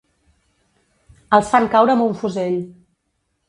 Els fan caure amb un fusell.